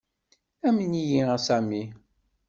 Amen-iyi a Sami.